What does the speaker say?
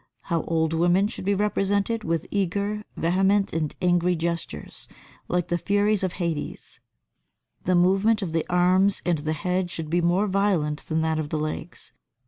How old women should be represented with eager, vehement and angry gestures, like the furies of Hades; the movement of the arms and the head should be more violent than that of the legs.